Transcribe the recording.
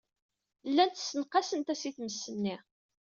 Llant ssenqasent-as i tmes-nni.